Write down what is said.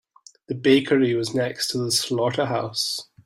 The bakery was next to the slaughterhouse.